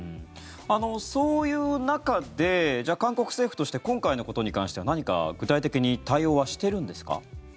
そういう中でじゃあ、韓国政府として今回のことに関しては何か具体的に対応はしているんですか。